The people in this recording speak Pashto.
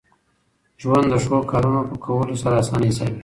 ژوند د ښو کارونو په کولو سره اسانه حسابېږي.